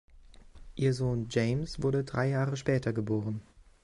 Ihr Sohn James wurde drei Jahre später geboren.